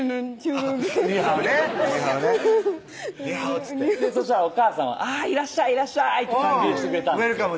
っつってそしたらおかあさんは「いらっしゃいいらっしゃい」って歓迎してくれたんです